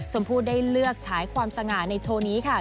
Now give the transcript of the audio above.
ชมพู่ได้เลือกฉายความสง่าในโชว์นี้ค่ะ